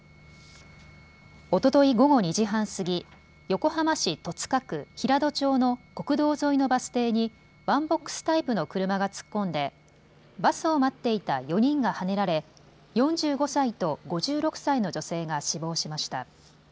おととい午後２時半過ぎ、横浜市戸塚区平戸町の国道沿いのバス停にワンボックスタイプの車が突っ込んでバスを待っていた４人がはねられ４５歳と５６歳の女性が死亡しました。